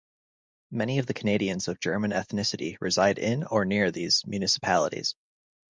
Many of the Canadians of German ethnicity reside in or near these municipalities.